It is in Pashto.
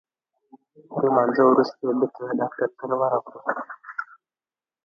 تر لمانځه وروسته بیرته د ډاکټر کره ورغلو.